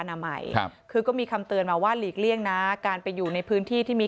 นามัยครับคือก็มีคำเตือนมาว่าหลีกเลี่ยงนะการไปอยู่ในพื้นที่ที่มี